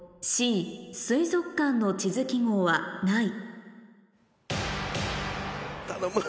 Ｃ水族館の地図記号はない頼む！